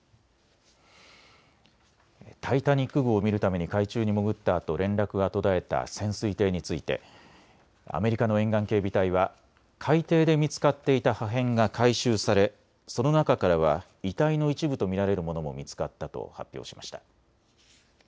タイタニック号を見るために海中に潜ったあと連絡が途絶えた潜水艇についてアメリカの沿岸警備隊は海底で見つかっていた破片が回収され、その中からは遺体の一部と見られるものも見つかったと発表しました。